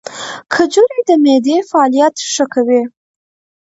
کجورې د معدې فعالیت ښه کوي.